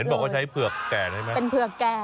บอกว่าใช้เผือกแก่ได้ไหมเป็นเผือกแก่